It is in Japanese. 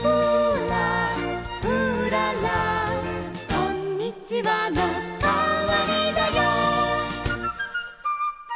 「こんにちはのかわりだよ」